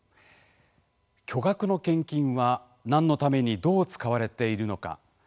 巨額の献金は、なんのためにどう使われているのか。